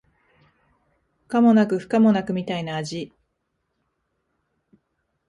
可もなく不可もなくみたいな味